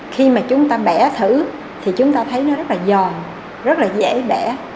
khi mà chúng ta bẻ thử thì chúng ta thấy nó rất là giòn rất là dễ bẻ